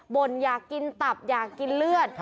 ่นอยากกินตับอยากกินเลือด